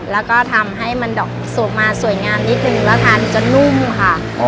แล้วก็ทำให้มันดอกสูบมาสวยงามนิดนึงแล้วทานจนนุ่มค่ะ